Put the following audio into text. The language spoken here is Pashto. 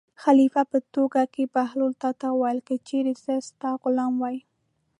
خلیفه په ټوکو کې بهلول ته وویل: که چېرې زه ستا غلام وای.